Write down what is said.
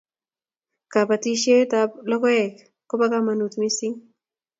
kabatishiet ab lockoek kobo kamagut mising